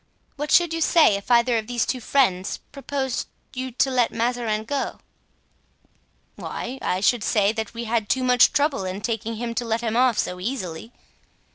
What should you say if either of these two friends proposed to you to let Mazarin go?" "Why, I should say that we had too much trouble in taking him to let him off so easily."